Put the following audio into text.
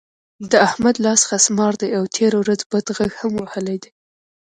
د احمد لاس خسمار دی؛ او تېره ورځ بد غږ هم وهلی دی.